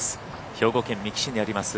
兵庫県三木市にあります